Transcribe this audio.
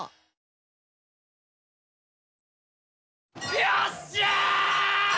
よっしゃ！